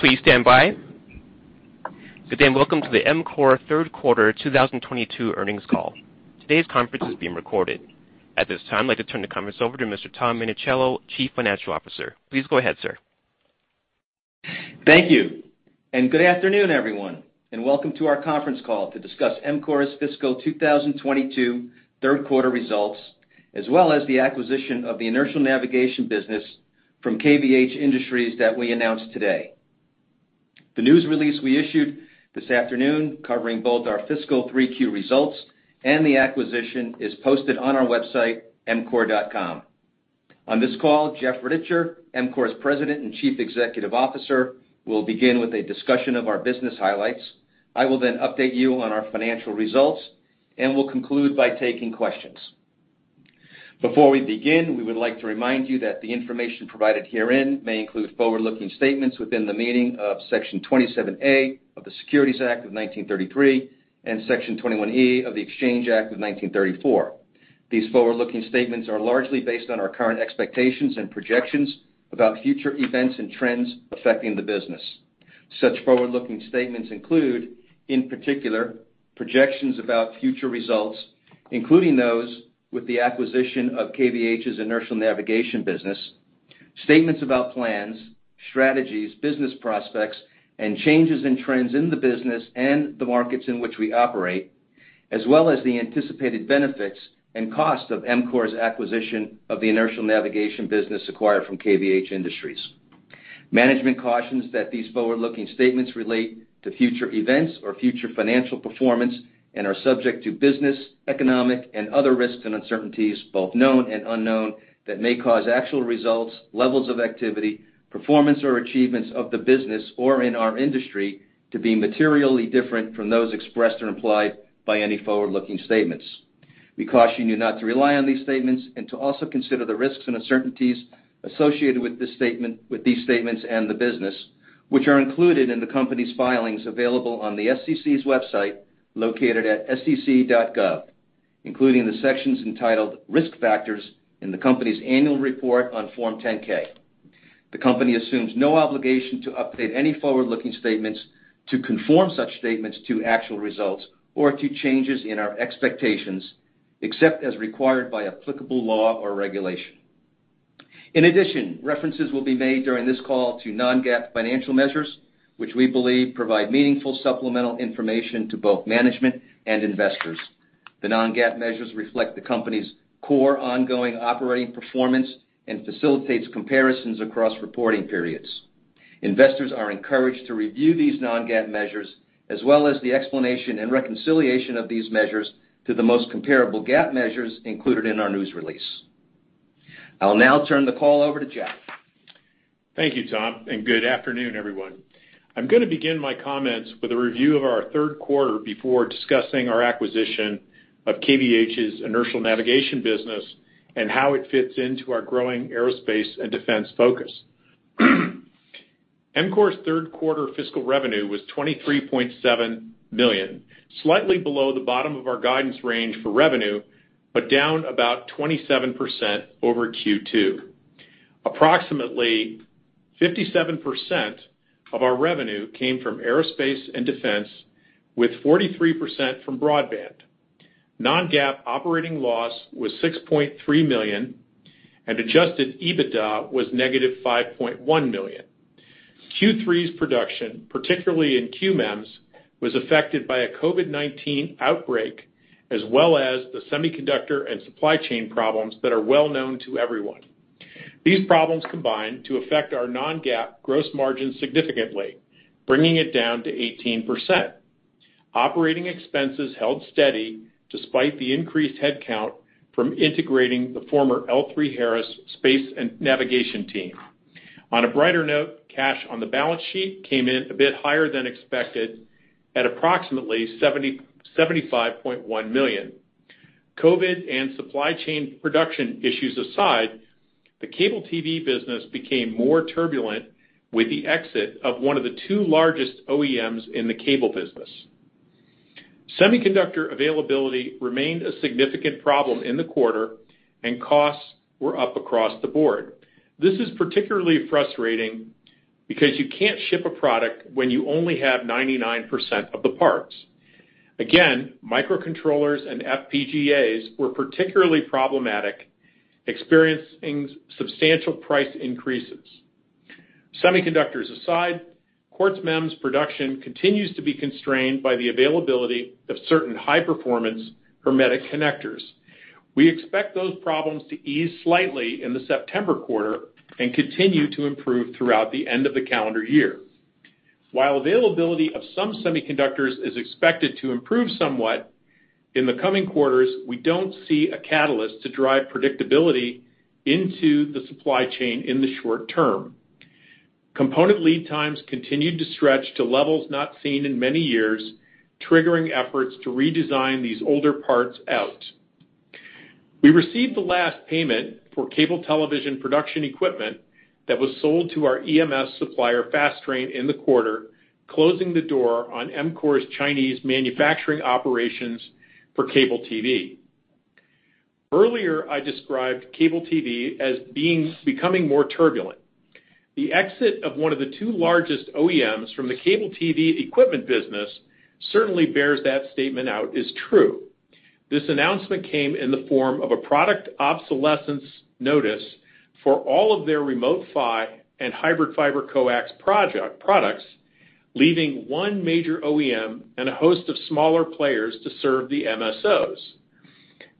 Please stand by. Good day and welcome to the EMCORE third quarter 2022 earnings call. Today's conference is being recorded. At this time, I'd like to turn the conference over to Mr. Tom Minichiello, Chief Financial Officer. Please go ahead, sir. Thank you, and good afternoon, everyone, and welcome to our conference call to discuss EMCORE's fiscal 2022 third quarter results, as well as the acquisition of the inertial navigation business from KVH Industries that we announced today. The news release we issued this afternoon covering both our fiscal 3Q results and the acquisition is posted on our website, emcore.com. On this call, Jeff Rittichier, EMCORE's President and Chief Executive Officer, will begin with a discussion of our business highlights. I will then update you on our financial results, and we'll conclude by taking questions. Before we begin, we would like to remind you that the information provided herein may include forward-looking statements within the meaning of Section 27A of the Securities Act of 1933 and Section 21E of the Exchange Act of 1934. These forward-looking statements are largely based on our current expectations and projections about future events and trends affecting the business. Such forward-looking statements include, in particular, projections about future results, including those with the acquisition of KVH's inertial navigation business, statements about plans, strategies, business prospects, and changes in trends in the business and the markets in which we operate, as well as the anticipated benefits and cost of EMCORE's acquisition of the inertial navigation business acquired from KVH Industries. Management cautions that these forward-looking statements relate to future events or future financial performance and are subject to business, economic, and other risks and uncertainties, both known and unknown, that may cause actual results, levels of activity, performance, or achievements of the business or in our industry to be materially different from those expressed or implied by any forward-looking statements. We caution you not to rely on these statements and to also consider the risks and uncertainties associated with these statements and the business, which are included in the company's filings available on the SEC's website, located at sec.gov, including the sections entitled Risk Factors in the company's annual report on Form 10-K. The company assumes no obligation to update any forward-looking statements to conform such statements to actual results or to changes in our expectations, except as required by applicable law or regulation. In addition, references will be made during this call to non-GAAP financial measures, which we believe provide meaningful supplemental information to both management and investors. The non-GAAP measures reflect the company's core ongoing operating performance and facilitates comparisons across reporting periods. Investors are encouraged to review these non-GAAP measures, as well as the explanation and reconciliation of these measures to the most comparable GAAP measures included in our news release. I'll now turn the call over to Jeff. Thank you, Tom, and good afternoon, everyone. I'm gonna begin my comments with a review of our third quarter before discussing our acquisition of KVH's inertial navigation business and how it fits into our growing aerospace and defense focus. EMCORE's third quarter fiscal revenue was $23.7 million, slightly below the bottom of our guidance range for revenue, but down about 27% over Q2. Approximately 57% of our revenue came from aerospace and defense, with 43% from broadband. Non-GAAP operating loss was $6.3 million, and adjusted EBITDA was negative $5.1 million. Q3's production, particularly in QMEMs, was affected by a COVID-19 outbreak, as well as the semiconductor and supply chain problems that are well known to everyone. These problems combined to affect our non-GAAP gross margin significantly, bringing it down to 18%. Operating expenses held steady despite the increased headcount from integrating the former L3Harris space and navigation team. On a brighter note, cash on the balance sheet came in a bit higher than expected at approximately $75.1 million. COVID and supply chain production issues aside, the cable TV business became more turbulent with the exit of one of the two largest OEMs in the cable business. Semiconductor availability remained a significant problem in the quarter and costs were up across the board. This is particularly frustrating because you can't ship a product when you only have 99% of the parts. Again, microcontrollers and FPGAs were particularly problematic, experiencing substantial price increases. Semiconductors aside, Quartz MEMS production continues to be constrained by the availability of certain high-performance hermetic connectors. We expect those problems to ease slightly in the September quarter and continue to improve throughout the end of the calendar year. While availability of some semiconductors is expected to improve somewhat in the coming quarters, we don't see a catalyst to drive predictability into the supply chain in the short term. Component lead times continued to stretch to levels not seen in many years, triggering efforts to redesign these older parts out. We received the last payment for cable television production equipment that was sold to our EMS supplier, Fastrain, in the quarter. Closing the door on EMCORE's Chinese manufacturing operations for cable TV. Earlier, I described cable TV as becoming more turbulent. The exit of one of the two largest OEMs from the cable TV equipment business certainly bears that statement out as true. This announcement came in the form of a product obsolescence notice for all of their Remote PHY and hybrid fiber coax projects, products, leaving one major OEM and a host of smaller players to serve the MSOs.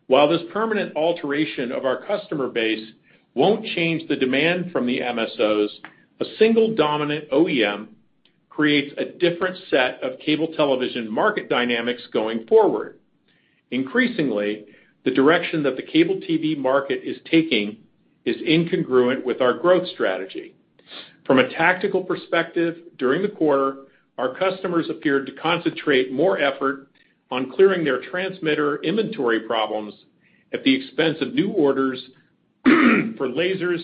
While this permanent alteration of our customer base won't change the demand from the MSOs, a single dominant OEM creates a different set of cable television market dynamics going forward. Increasingly, the direction that the cable TV market is taking is incongruent with our growth strategy. From a tactical perspective, during the quarter, our customers appeared to concentrate more effort on clearing their transmitter inventory problems at the expense of new orders for lasers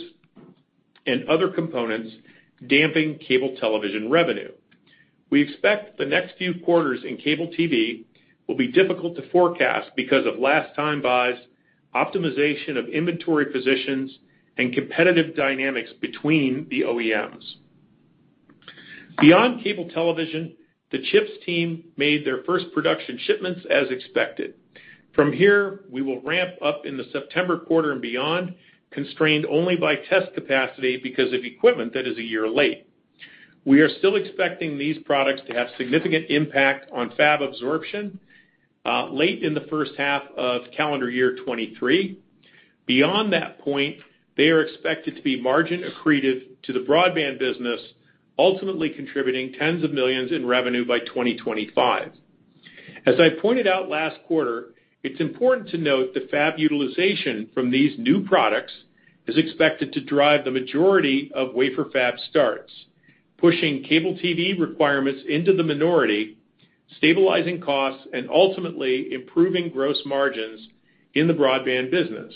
and other components, damping cable television revenue. We expect the next few quarters in cable TV will be difficult to forecast because of last-time buys, optimization of inventory positions, and competitive dynamics between the OEMs. Beyond cable television, the chips team made their first production shipments as expected. From here, we will ramp up in the September quarter and beyond, constrained only by test capacity because of equipment that is a year late. We are still expecting these products to have significant impact on fab absorption late in the first half of calendar year 2023. Beyond that point, they are expected to be margin accretive to the broadband business, ultimately contributing tens of millions in revenue by 2025. As I pointed out last quarter, it's important to note that fab utilization from these new products is expected to drive the majority of wafer fab starts, pushing cable TV requirements into the minority, stabilizing costs, and ultimately improving gross margins in the broadband business.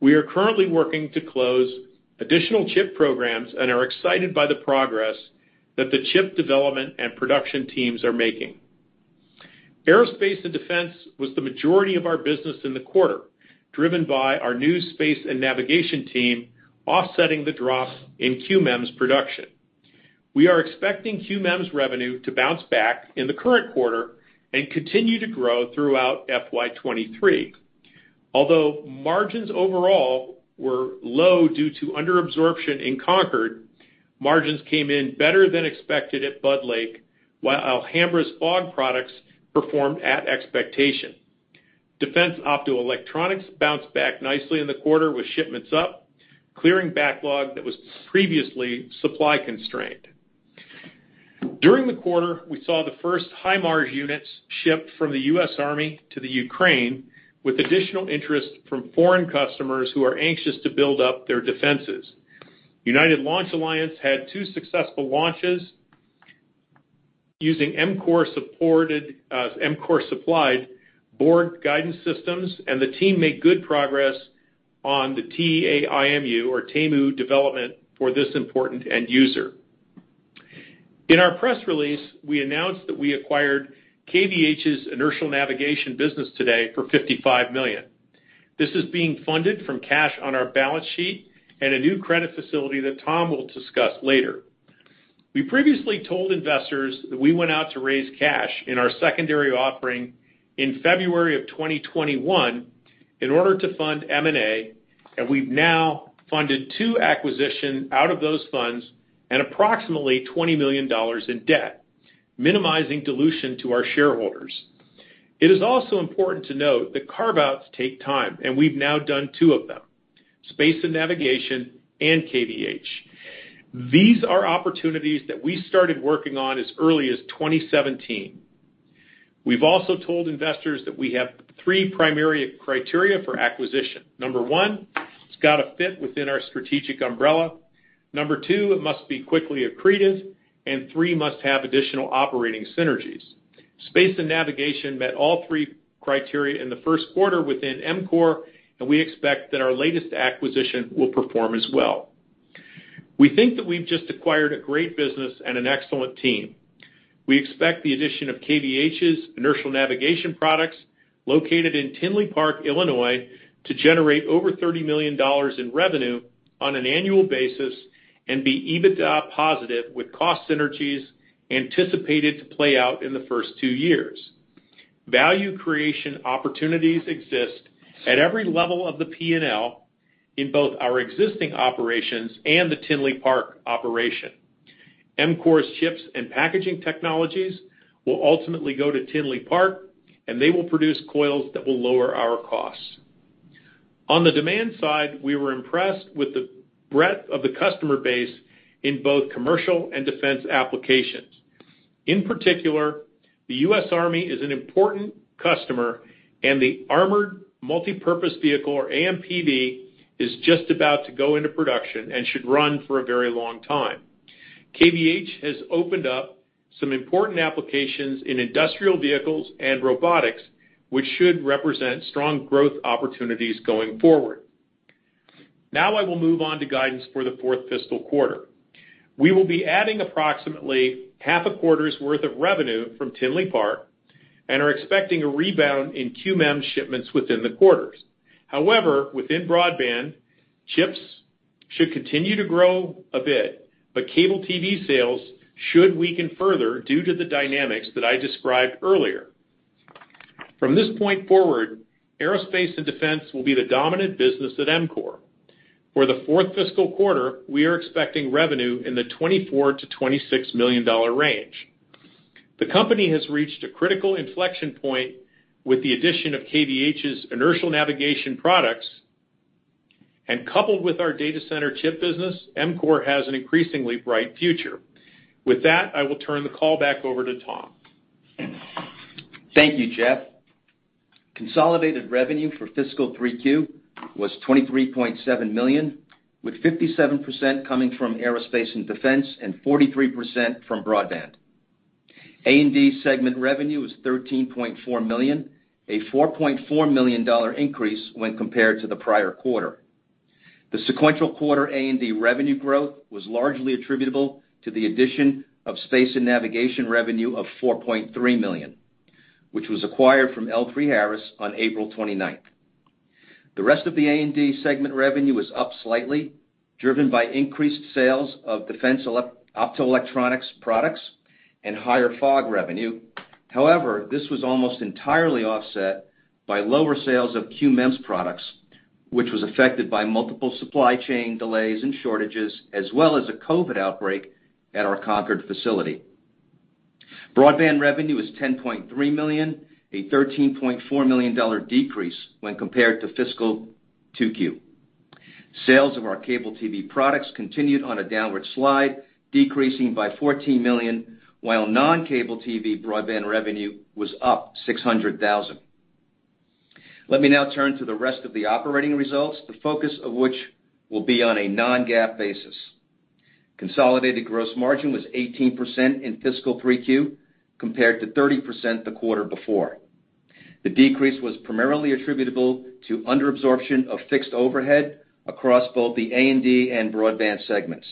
We are currently working to close additional chip programs and are excited by the progress that the chip development and production teams are making. Aerospace and Defense was the majority of our business in the quarter, driven by our new space and navigation team offsetting the drops in QMEMs production. We are expecting QMEMs revenue to bounce back in the current quarter and continue to grow throughout FY 2023. Although margins overall were low due to under absorption in Concord, margins came in better than expected at Budd Lake, while Alhambra's FOG products performed at expectation. Defense optoelectronics bounced back nicely in the quarter with shipments up, clearing backlog that was previously supply constrained. During the quarter, we saw the first high-margin units shipped from the US Army to the Ukraine, with additional interest from foreign customers who are anxious to build up their defenses. United Launch Alliance had two successful launches using EMCORE-supported, EMCORE-supplied onboard guidance systems, and the team made good progress on the TAIMU, or TAIMU, development for this important end user. In our press release, we announced that we acquired KVH's inertial navigation business today for $55 million. This is being funded from cash on our balance sheet and a new credit facility that Tom will discuss later. We previously told investors that we went out to raise cash in our secondary offering in February of 2021 in order to fund M&A, and we've now funded two acquisitions out of those funds at approximately $20 million in debt, minimizing dilution to our shareholders. It is also important to note that carve-outs take time, and we've now done two of them, space and navigation and KVH. These are opportunities that we started working on as early as 2017. We've also told investors that we have three primary criteria for acquisition. Number one, it's gotta fit within our strategic umbrella. Number two, it must be quickly accretive. Three, must have additional operating synergies. space and navigation met all three criteria in the first quarter within EMCORE, and we expect that our latest acquisition will perform as well. We think that we've just acquired a great business and an excellent team. We expect the addition of KVH's inertial navigation products located in Tinley Park, Illinois, to generate over $30 million in revenue on an annual basis and be EBITDA positive, with cost synergies anticipated to play out in the first two years. Value creation opportunities exist at every level of the P&L in both our existing operations and the Tinley Park operation. EMCORE's chips and packaging technologies will ultimately go to Tinley Park, and they will produce coils that will lower our costs. On the demand side, we were impressed with the breadth of the customer base in both commercial and defense applications. In particular, the U.S. Army is an important customer, and the Armored Multi-Purpose Vehicle, or AMPV, is just about to go into production and should run for a very long time. KVH has opened up some important applications in industrial vehicles and robotics, which should represent strong growth opportunities going forward. Now I will move on to guidance for the fourth fiscal quarter. We will be adding approximately half a quarter's worth of revenue from Tinley Park and are expecting a rebound in QM shipments within the quarters. However, within broadband, chips should continue to grow a bit, but cable TV sales should weaken further due to the dynamics that I described earlier. From this point forward, aerospace and defense will be the dominant business at EMCORE. For the fourth fiscal quarter, we are expecting revenue in the $24 million-$26 million range. The company has reached a critical inflection point with the addition of KVH's inertial navigation products. Coupled with our data center chip business, EMCORE has an increasingly bright future. With that, I will turn the call back over to Tom. Thank you, Jeff. Consolidated revenue for fiscal 3Q was $23.7 million, with 57% coming from aerospace and defense and 43% from broadband. A&D segment revenue was $13.4 million, a $4.4 million increase when compared to the prior quarter. The sequential quarter A&D revenue growth was largely attributable to the addition of space and navigation revenue of $4.3 million, which was acquired from L3Harris on April 29. The rest of the A&D segment revenue was up slightly, driven by increased sales of defense optoelectronics products and higher FOG revenue. However, this was almost entirely offset by lower sales of QMEMs products, which was affected by multiple supply chain delays and shortages, as well as a COVID outbreak at our Concord facility. Broadband revenue is $10.3 million, a $13.4 million decrease when compared to fiscal 2Q. Sales of our cable TV products continued on a downward slide, decreasing by $14 million, while non-cable TV broadband revenue was up $600 thousand. Let me now turn to the rest of the operating results, the focus of which will be on a non-GAAP basis. Consolidated gross margin was 18% in fiscal 3Q compared to 30% the quarter before. The decrease was primarily attributable to under absorption of fixed overhead across both the A&D and broadband segments.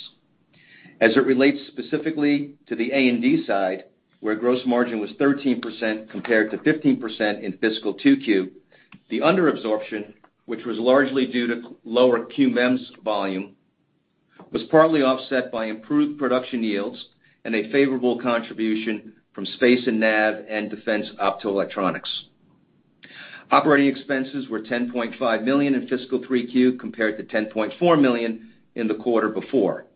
As it relates specifically to the A&D side, where gross margin was 13% compared to 15% in fiscal 2Q, the under absorption, which was largely due to lower QMEMs volume, was partly offset by improved production yields and a favorable contribution from space and nav and defense optoelectronics. Operating expenses were $10.5 million in fiscal 3Q compared to $10.4 million in the quarter before,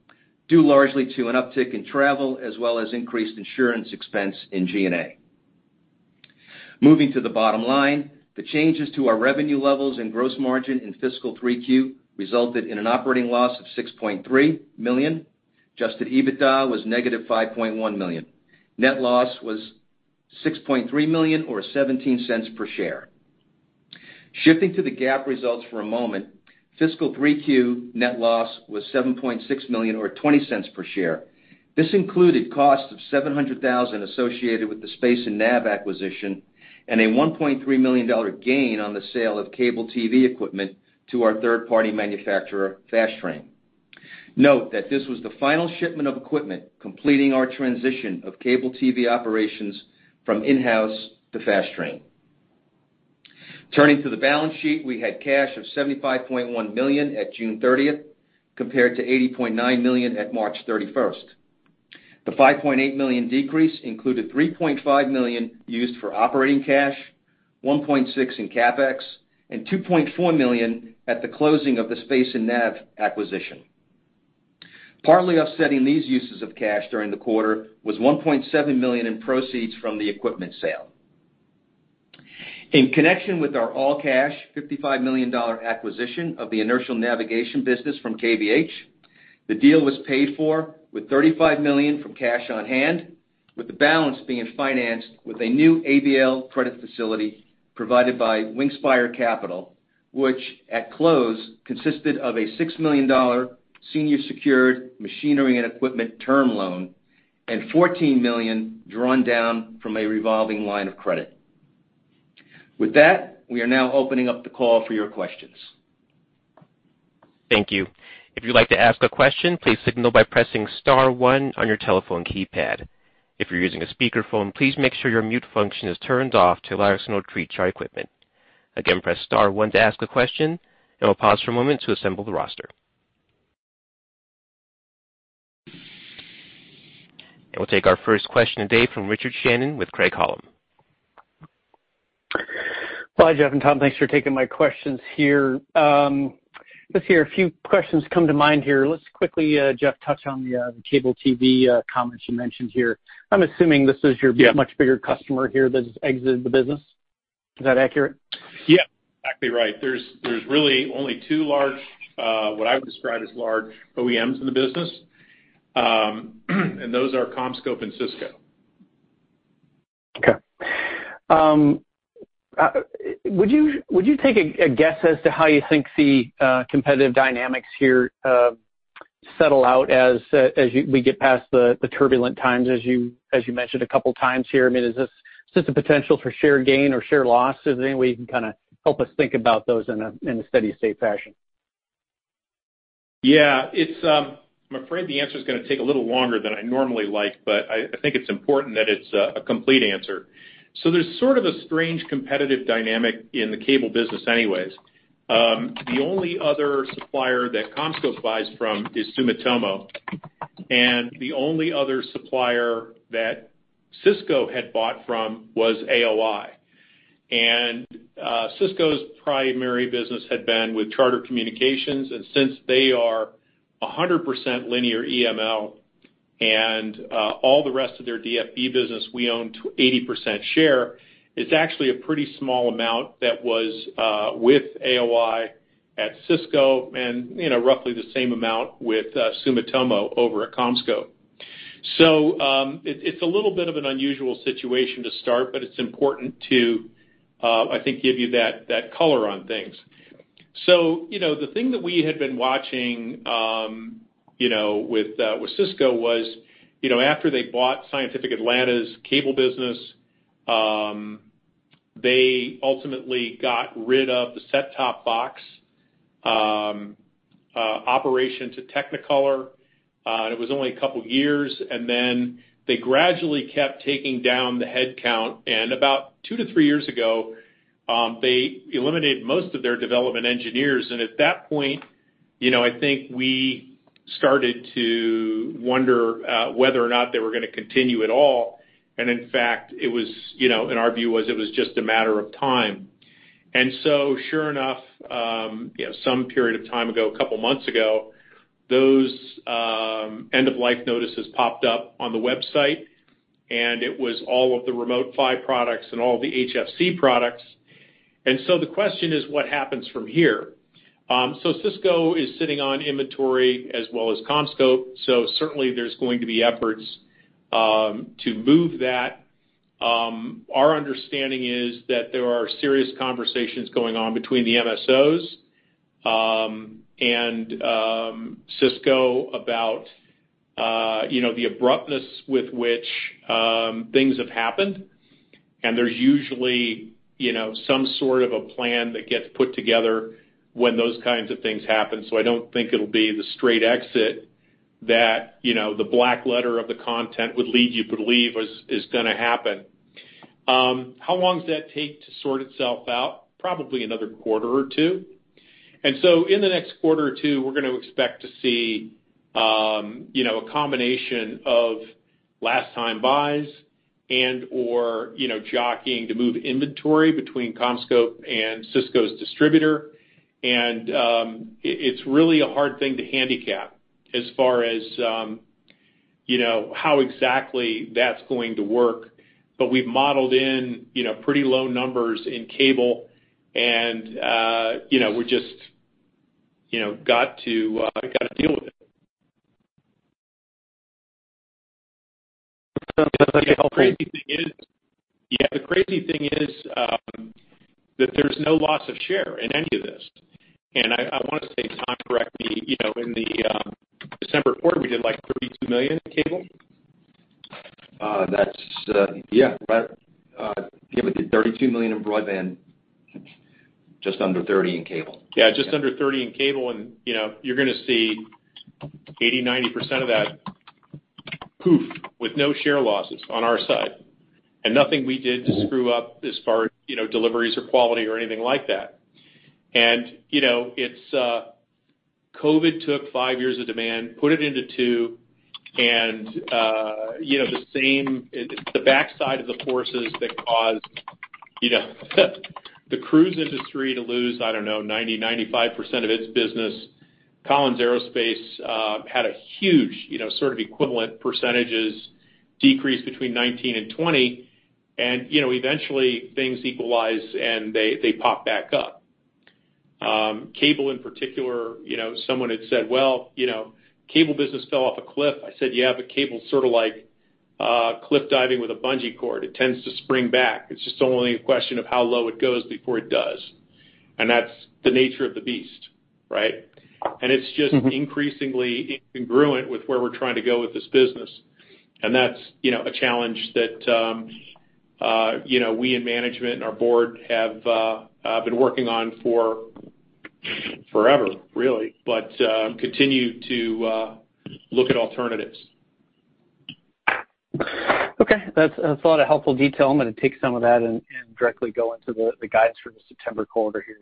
due largely to an uptick in travel as well as increased insurance expense in G&A. Moving to the bottom line, the changes to our revenue levels and gross margin in fiscal 3Q resulted in an operating loss of $6.3 million. Adjusted EBITDA was -$5.1 million. Net loss was $6.3 million or $0.17 per share. Shifting to the GAAP results for a moment, fiscal 3Q net loss was $7.6 million or $0.20 per share. This included costs of $700,000 associated with the space and nav acquisition and a $1.3 million gain on the sale of cable TV equipment to our third-party manufacturer, Fastrain. Note that this was the final shipment of equipment completing our transition of cable TV operations from in-house to Fastrain. Turning to the balance sheet, we had cash of $75.1 million at June 30th compared to $80.9 million at March 31st. The $5.8 million decrease included $3.5 million used for operating cash, $1.6 million in CapEx, and $2.4 million at the closing of the space and nav acquisition. Partly offsetting these uses of cash during the quarter was $1.7 million in proceeds from the equipment sale. In connection with our all-cash $55 million acquisition of the inertial navigation business from KVH, the deal was paid for with $35 million from cash on hand, with the balance being financed with a new ABL credit facility provided by Wingspire Capital, which at close consisted of a $6 million senior secured machinery and equipment term loan and $14 million drawn down from a revolving line of credit. With that, we are now opening up the call for your questions. Thank you. If you'd like to ask a question, please signal by pressing star one on your telephone keypad. If you're using a speakerphone, please make sure your mute function is turned off to allow us to hear you. Again, press star one to ask a question, and we'll pause for a moment to assemble the roster. We'll take our first question today from Richard Shannon with Craig-Hallum. Hi, Jeff and Tom, thanks for taking my questions here. Let's hear a few questions come to mind here. Let's quickly, Jeff, touch on the cable TV comments you mentioned here. I'm assuming this is your much bigger customer here that has exited the business. Is that accurate? Yeah, exactly right. There's really only two large, what I would describe as large OEMs in the business, and those are CommScope and Cisco. Okay. Would you take a guess as to how you think the competitive dynamics here settle out as we get past the turbulent times, as you mentioned a couple times here. I mean, is this just a potential for share gain or share loss? Is there any way you can kinda help us think about those in a steady state fashion? Yeah. It's, I'm afraid, the answer's gonna take a little longer than I normally like, but I think it's important that it's a complete answer. There's sort of a strange competitive dynamic in the cable business anyway. The only other supplier that CommScope buys from is Sumitomo, and the only other supplier that Cisco had bought from was AOI. Cisco's primary business had been with Charter Communications, and since they are 100% linear EML and all the rest of their DFB business we own 80% share, it's actually a pretty small amount that was with AOI at Cisco and, you know, roughly the same amount with Sumitomo over at CommScope. It's a little bit of an unusual situation to start, but it's important to, I think, give you that color on things. You know, the thing that we had been watching, you know, with Cisco was, you know, after they bought Scientific Atlanta's cable business, they ultimately got rid of the set-top box operation to Technicolor. It was only a couple years, and then they gradually kept taking down the head count. About two to three years ago, they eliminated most of their development engineers. At that point, you know, I think we started to wonder whether or not they were gonna continue at all. In fact, it was, you know, and our view was it was just a matter of time. Sure enough, you know, some period of time ago, a couple months ago, those end of life notices popped up on the website, and it was all of the Remote PHY products and all the HFC products. The question is what happens from here? Cisco is sitting on inventory as well as CommScope, so certainly there's going to be efforts to move that. Our understanding is that there are serious conversations going on between the MSOs and Cisco about, you know, the abruptness with which things have happened. There's usually, you know, some sort of a plan that gets put together when those kinds of things happen, so I don't think it'll be the straight exit that, you know, the black letter of the content would lead you believe is gonna happen. How long does that take to sort itself out? Probably another quarter or two. In the next quarter or two, we're gonna expect to see, you know, a combination of last time buys and/or, you know, jockeying to move inventory between CommScope and Cisco's distributor. It's really a hard thing to handicap as far as, you know, how exactly that's going to work. But we've modeled in, you know, pretty low numbers in cable and, you know, we just, you know, got to deal with it. Yeah. The crazy thing is that there's no loss of share in any of this. I wanna say, Tom, correct me. You know, in the December quarter, we did, like, $32 million in cable. We did $32 million in broadband, just under $30 million in cable. Yeah, just under $30 million in cable and, you know, you're gonna see 80%, 90% of that poof with no share losses on our side and nothing we did to screw up as far as, you know, deliveries or quality or anything like that. You know, it's COVID took five years of demand, put it into two, and, you know, the same, the backside of the forces that caused, you know, the cruise industry to lose, I don't know, 90%, 95% of its business. Collins Aerospace had a huge, you know, sort of equivalent percentages decrease between 2019 and 2020. You know, eventually things equalize, and they pop back up. Cable in particular, you know, someone had said, "Well, you know, cable business fell off a cliff." I said, "Yeah, but cable's sort of like, cliff diving with a bungee cord. It tends to spring back. It's just only a question of how low it goes before it does." That's the nature of the beast, right? It's just. Increasingly incongruent with where we're trying to go with this business. That's, you know, a challenge that, you know, we in management and our board have been working on for forever really, but continue to look at alternatives. Okay. That's a lot of helpful detail. I'm gonna take some of that and directly go into the guidance for the September quarter here.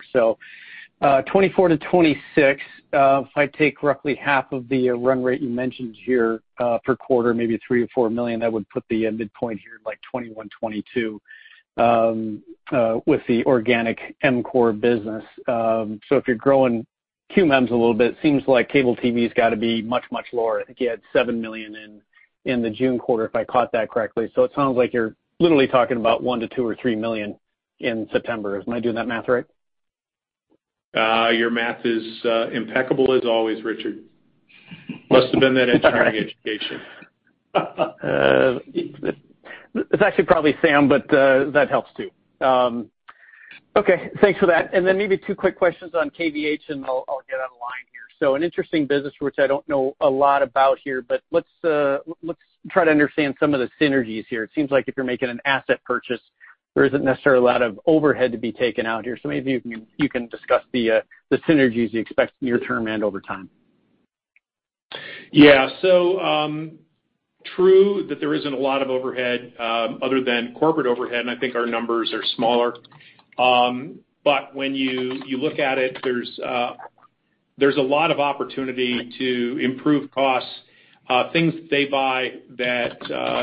$24 million-$26 million, if I take roughly half of the run rate you mentioned here per quarter, maybe $3 million or $4 million, that would put the midpoint here at, like, $21 million-$22 million with the organic EMCORE business. If you're growing QMEMS a little bit, seems like cable TV's gotta be much, much lower. I think you had $7 million in the June quarter, if I caught that correctly. It sounds like you're literally talking about $1 million-$2 million or $3 million in September. Am I doing that math right? Your math is impeccable as always, Richard. Must have been that engineering education. It's actually probably [Sam], but that helps too. Okay, thanks for that. Then maybe two quick questions on KVH, and I'll get on line here. An interesting business, which I don't know a lot about here, but let's try to understand some of the synergies here. It seems like if you're making an asset purchase, there isn't necessarily a lot of overhead to be taken out here. Maybe if you can discuss the synergies you expect near term and over time. Yeah. True that there isn't a lot of overhead, other than corporate overhead, and I think our numbers are smaller. When you look at it, there's a lot of opportunity to improve costs, things that they buy that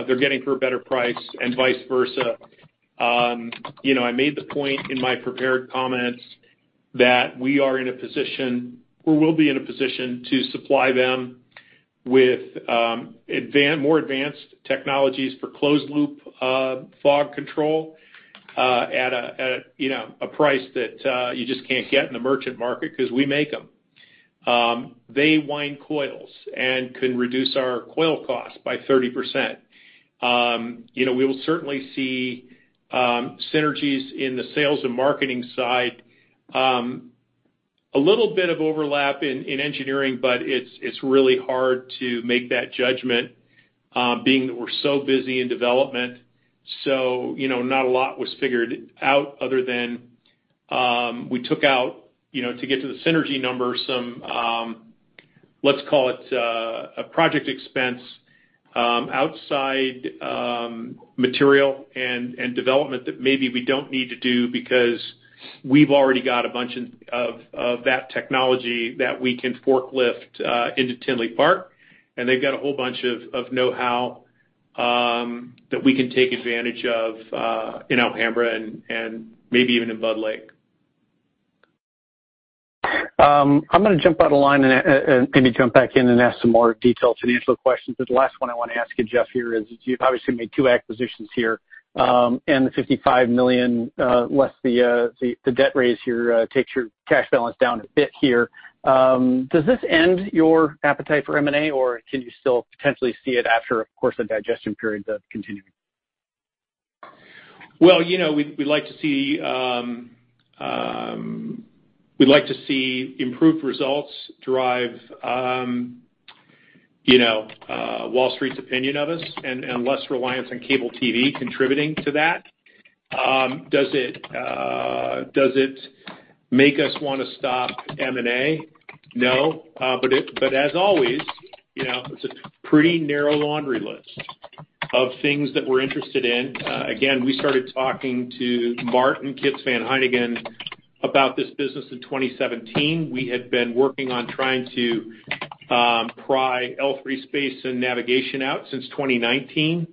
they're getting for a better price and vice versa. You know, I made the point in my prepared comments that we are in a position or will be in a position to supply them with more advanced technologies for closed loop FOG control, at a price that you just can't get in the merchant market 'cause we make them. They wind coils and can reduce our coil cost by 30%. You know, we will certainly see synergies in the sales and marketing side. A little bit of overlap in engineering, but it's really hard to make that judgment, being that we're so busy in development. You know, not a lot was figured out other than we took out, you know, to get to the synergy number some, let's call it, a project expense, outside material and development that maybe we don't need to do because we've already got a bunch of that technology that we can forklift into Tinley Park, and they've got a whole bunch of know-how that we can take advantage of in Alhambra and maybe even in Budd Lake. I'm gonna jump out of line and maybe jump back in and ask some more detailed financial questions. The last one I wanna ask you, Jeff, here is you've obviously made two acquisitions here, and the $55 million less the debt raise here takes your cash balance down a bit here. Does this end your appetite for M&A, or can you still potentially see it after, of course, the digestion period of continuing? Well, you know, we'd like to see improved results drive, you know, Wall Street's opinion of us and less reliance on cable TV contributing to that. Does it make us wanna stop M&A? No. As always, you know, it's a pretty narrow laundry list of things that we're interested in. Again, we started talking to Martin Kits van Heyningen about this business in 2017. We had been working on trying to pry L3Harris space and navigation out since 2019.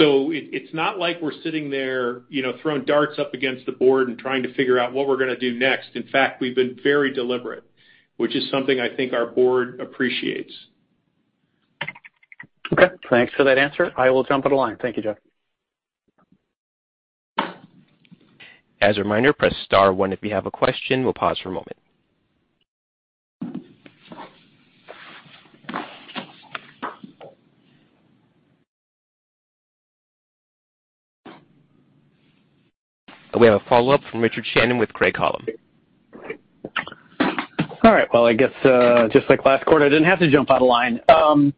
It's not like we're sitting there, you know, throwing darts up against the board and trying to figure out what we're gonna do next. In fact, we've been very deliberate, which is something I think our board appreciates. Okay. Thanks for that answer. I will jump on the line. Thank you, Jeff. As a reminder, press star one if you have a question. We'll pause for a moment. We have a follow-up from Richard Shannon with Craig-Hallum. All right. Well, I guess just like last quarter, I didn't have to jump out of line. Tom,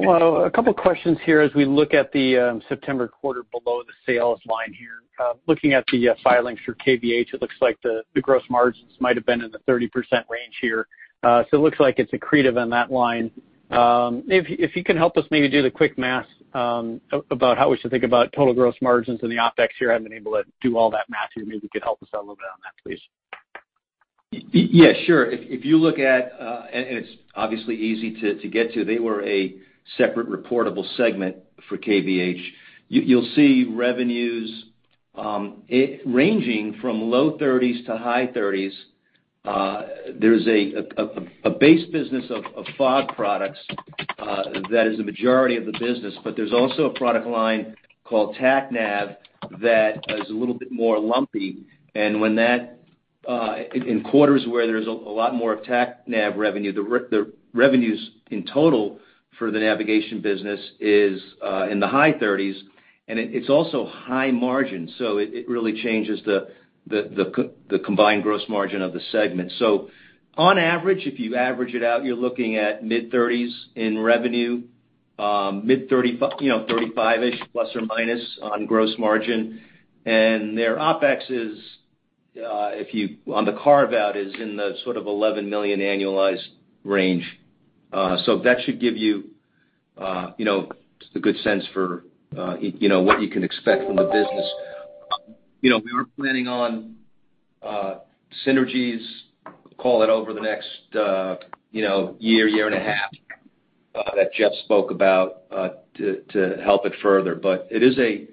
a couple of questions here as we look at the September quarter below the sales line here. Looking at the filings for KVH, it looks like the gross margins might have been in the 30% range here. So it looks like it's accretive on that line. If you can help us maybe do the quick math about how we should think about total gross margins and the OpEx here. I haven't been able to do all that math here. Maybe you could help us out a little bit on that, please. Yeah, sure. If you look at, it's obviously easy to get to. They were a separate reportable segment for KVH. You'll see revenues ranging from low 30%s to high 30%s. There's a base business of FOG products that is the majority of the business. But there's also a product line called TACNAV that is a little bit more lumpy. When that in quarters where there's a lot more of TACNAV revenue, the revenues in total for the navigation business is in the high 30%s, and it's also high margin. It really changes the combined gross margin of the segment. On average, if you average it out, you're looking at mid 30%in revenue, mid-thirties, you know, 35-ish% plus or minus on gross margin. Their OpEx is on the carve-out in the sort of $11 million annualized range. So that should give you know, just a good sense for, you know, what you can expect from the business. You know, we were planning on synergies, call it over the next, you know, year and a half, that Jeff spoke about, to help it further. It is a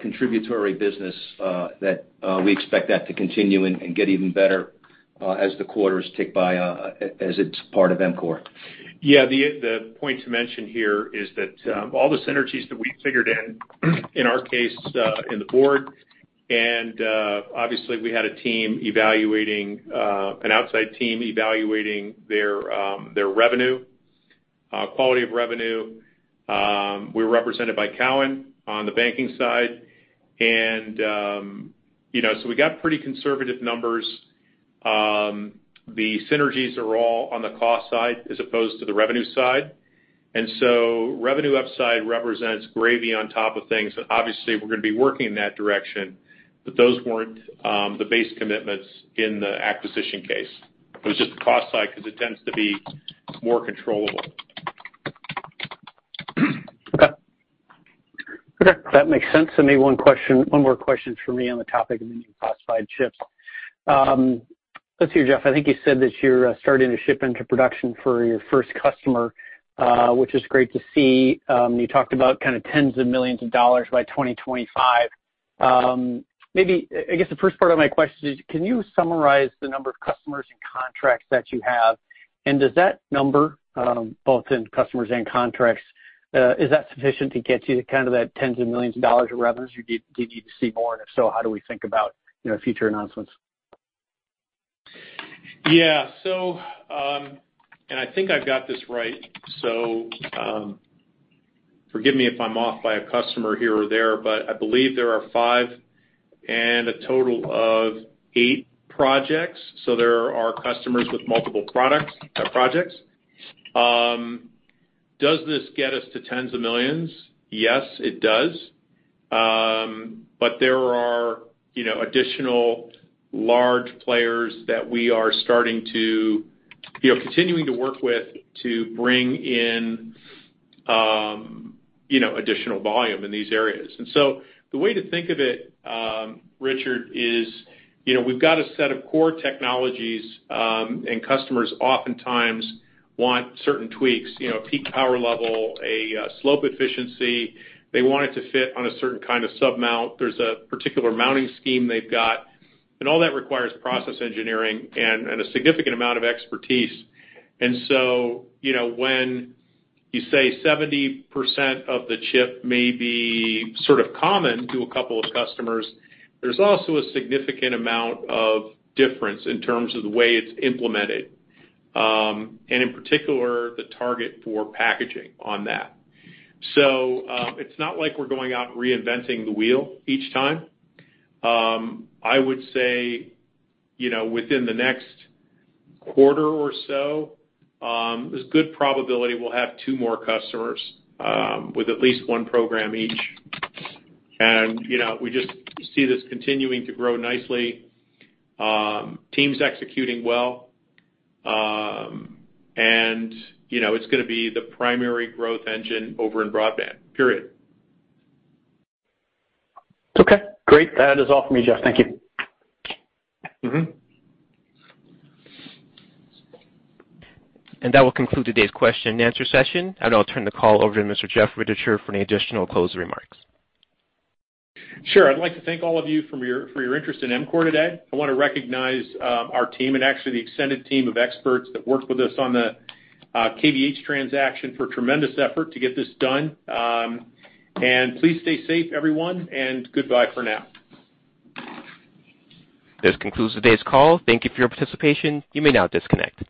contributory business, that we expect that to continue and get even better, as the quarters tick by, as it's part of EMCORE. Yeah. The point to mention here is that all the synergies that we figured in our case in the board, and obviously we had a team evaluating an outside team evaluating their revenue quality of revenue, we're represented by Cowen on the banking side. You know, so we got pretty conservative numbers. The synergies are all on the cost side as opposed to the revenue side. Revenue upside represents gravy on top of things. Obviously, we're gonna be working in that direction. Those weren't the base commitments in the acquisition case. It was just the cost side because it tends to be more controllable. Okay. That makes sense to me. One more question for me on the topic of the new classified chips. Jeff, I think you said that you're starting to ship into production for your first customer, which is great to see. You talked about kind of tens of millions of dollars by 2025. Maybe, I guess the first part of my question is, can you summarize the number of customers and contracts that you have? And does that number, both in customers and contracts, is that sufficient to get you to kind of that tens of millions of dollars of revenues? Or do you need to see more? And if so, how do we think about, you know, future announcements? Yeah. I think I've got this right. Forgive me if I'm off by a customer here or there, but I believe there are five and a total of eight projects. There are customers with multiple products, projects. Does this get us to tens of millions of dollars? Yes, it does. But there are, you know, additional large players that we are starting to, you know, continuing to work with to bring in, you know, additional volume in these areas. The way to think of it, Richard, is, you know, we've got a set of core technologies, and customers oftentimes want certain tweaks. You know, a peak power level, a slope efficiency. They want it to fit on a certain kind of sub mount. There's a particular mounting scheme they've got, and all that requires process engineering and a significant amount of expertise. You know, when you say 70% of the chip may be sort of common to a couple of customers, there's also a significant amount of difference in terms of the way it's implemented, and in particular, the target for packaging on that. It's not like we're going out and reinventing the wheel each time. I would say, you know, within the next quarter or so, there's good probability we'll have two more customers with at least one program each. You know, we just see this continuing to grow nicely. Team's executing well. You know, it's gonna be the primary growth engine over in broadband, period. Okay, great. That is all for me, Jeff. Thank you. That will conclude today's question and answer session. I'll turn the call over to Mr. Jeff Rittichier for any additional closing remarks. Sure. I'd like to thank all of you for your interest in EMCORE today. I wanna recognize our team and actually the extended team of experts that worked with us on the KVH transaction for a tremendous effort to get this done. Please stay safe, everyone, and goodbye for now. This concludes today's call. Thank you for your participation. You may now disconnect.